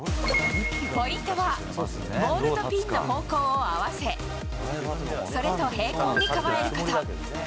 ポイントは、ボールとピンの方向を合わせ、それと平行に構えること。